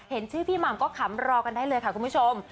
เห็นชื่อพี่หม่ำก็ขำรอกันได้เลยค่ะคุณผู้ชม